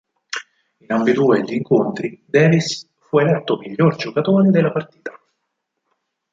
In ambedue gli incontri Davis fu eletto miglior giocatore della partita.